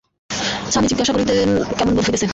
স্বামী জিজ্ঞাসা করিতেন, কেমন বোধ হইতেছে।